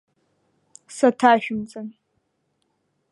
Саҭашәымҵан!